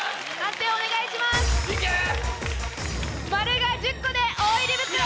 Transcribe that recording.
「○」が１０個で。